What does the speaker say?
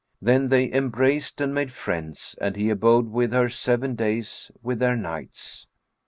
Then they embraced and made friends and he abode with her seven days with their nights.